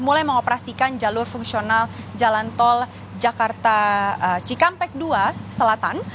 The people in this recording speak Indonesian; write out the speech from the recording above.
mulai mengoperasikan jalur fungsional jalan tol jakarta cikampek dua selatan